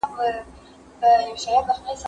زه پرون بازار ته ځم وم